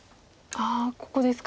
ここですか。